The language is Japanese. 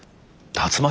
竜巻！？